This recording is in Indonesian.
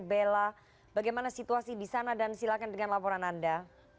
bella bagaimana situasi di sana dan silakan dengan laporan anda